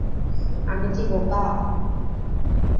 আমি কি বোকা!